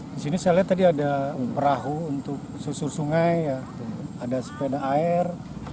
di sini saya lihat tadi ada perahu untuk susur sungai ada sepeda air